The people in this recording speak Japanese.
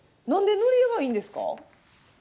なんで塗り絵がいいんですか？